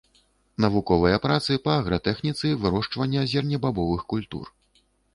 Навуковыя працы па агратэхніцы вырошчвання зернебабовых культур.